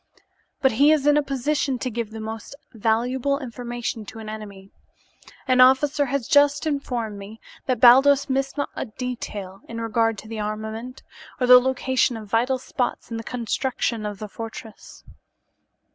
" but he is in a position to give the most valuable information to an enemy. An officer has just informed me that Baldos missed not a detail in regard to the armament, or the location of vital spots in the construction of the fortress."